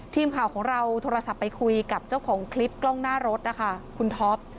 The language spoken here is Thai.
ทีมข่าวของเราโทรศัพท์ไปคุยกับเจ้าของคลิปกล้องหน้ารถนะคะคุณท็อป